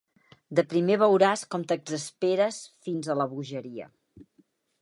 De primer veuràs com t'exasperes fins a la bogeria.